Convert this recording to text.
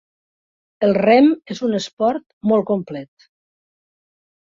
El rem és un esport molt complet.